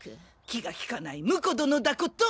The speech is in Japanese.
気が利かない婿殿だこと。